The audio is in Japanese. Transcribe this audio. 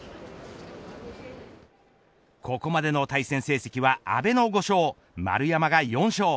ここまでの対戦成績は阿部の５勝丸山が４勝。